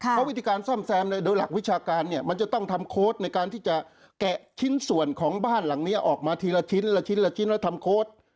เพราะวิธีการซ่อมแซมโดยหลักวิชาการเนี่ยมันจะต้องทำโค้ดในการที่จะแกะชิ้นส่วนของบ้านหลังนี้ออกมาทีละชิ้นละชิ้นละชิ้นแล้วทำโค้ด